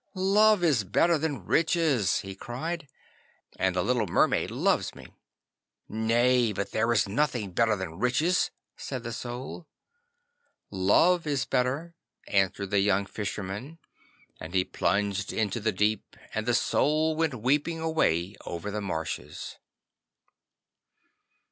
'Love is better than Riches,' he cried, 'and the little Mermaid loves me.' 'Nay, but there is nothing better than Riches,' said the Soul. 'Love is better,' answered the young Fisherman, and he plunged into the deep, and the Soul went weeping away over the marshes.